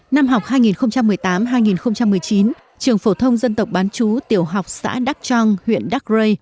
năm học hai nghìn một mươi tám hai nghìn một mươi chín trường phổ thông dân tộc bán chú tiểu học xã đắk trong huyện đắc rây